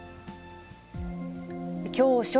きょう正